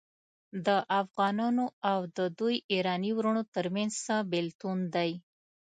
د افغانانو او د دوی ایراني وروڼو ترمنځ څه بیلتون دی.